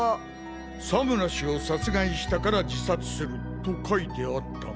「佐村氏を殺害したから自殺する」と書いてあったが。